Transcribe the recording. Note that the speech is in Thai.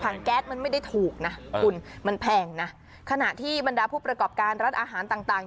แก๊สมันไม่ได้ถูกนะคุณมันแพงนะขณะที่บรรดาผู้ประกอบการร้านอาหารต่างต่าง